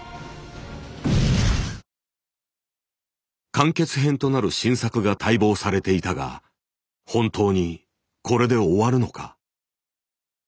完結編となる新作が待望されていたが本当にこれで終わるのか。